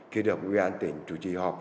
khi được ubnd tỉnh chủ trì họp